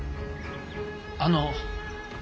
あの。